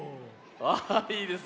ああいいですね。